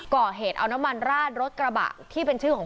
ก่อเหตุเอาน้ำมันราดรถกระบะที่เป็นชื่อของ